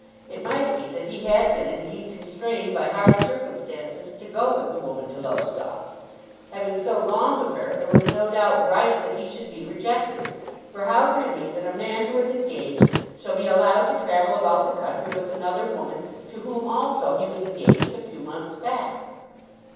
It might be that he had been indeed constrained by hard circumstances to go with the woman to Lowestoft. Having so gone with her, it was no doubt right that he should be rejected; for how can it be that a man who is engaged shall be allowed to travel about the country with another woman to whom also he was engaged a few months back?